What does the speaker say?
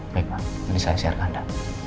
baik pak ini saya share ke anda